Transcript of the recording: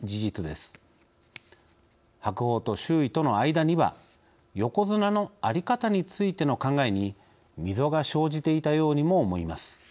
白鵬と周囲との間には横綱の在り方についての考えに溝が生じていたようにも思います。